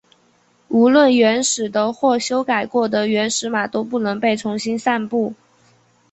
无论原始的或修改过的原始码都不能被重新散布。